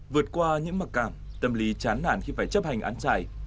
vượt qua những mặc cảm tâm lý chán nản khi phải chấp hành án sai